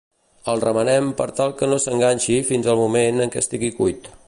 El remenem per tal que no s'enganxi fins el moment en què estigui cuit.